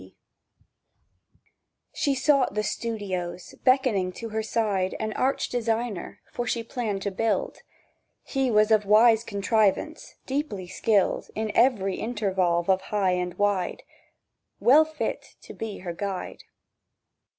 W. B. SHE sought the Studios, beckoning to her side An arch designer, for she planned to build. He was of wise contrivance, deeply skilled In every intervolve of high and wide— Well fit to be her guide.